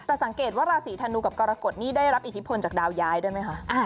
แต่สังเกตว่าราศีธนูกับกรกฎนี่ได้รับอิทธิพลจากดาวย้ายด้วยไหมคะ